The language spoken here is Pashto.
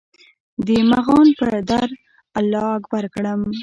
د مغان پر در الله اکبر کړم